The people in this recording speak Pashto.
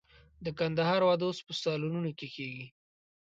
د کندهار واده اوس په سالونونو کې کېږي.